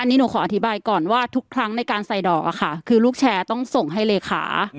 อันนี้หนูขออธิบายก่อนว่าทุกครั้งในการใส่ดอกอะค่ะคือลูกแชร์ต้องส่งให้เลขา